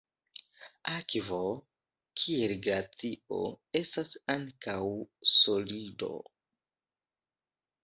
Akvo, kiel glacio, estas ankaŭ solido.